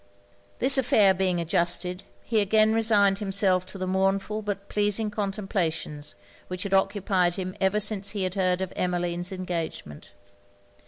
This affair being adjusted, he again resigned himself to the mournful but pleasing contemplations which had occupied him ever since he had heard of Emmeline's engagement.